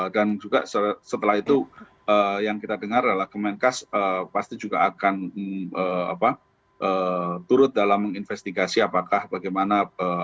dan juga setelah itu yang kita dengar adalah kemenkas pasti juga akan turut dalam investigasi apakah bagaimana